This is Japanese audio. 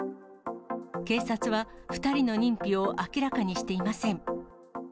警察は２人の認否を明らかにしていません。